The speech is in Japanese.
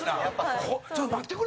ちょっと待ってくれ。